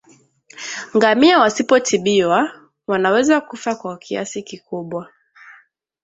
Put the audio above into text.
Ngamia wasipotibiwa wanaweza kufa kwa kiasi kikubwa